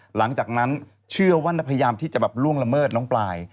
หลังจากนั้นเชื่อว่าพยายามที่จะแบบล่วงละเมิดน้องปลาย